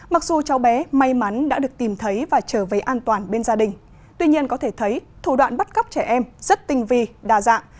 mặc dù cháu bé may mắn đã được tìm thấy và trở về an toàn bên gia đình tuy nhiên có thể thấy thủ đoạn bắt cóc trẻ em rất tinh vi đa dạng